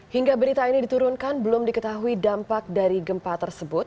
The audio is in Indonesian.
hingga berita ini diturunkan belum diketahui dampak dari gempa tersebut